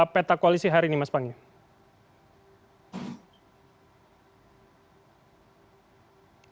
peta koalisi hari ini mas panggil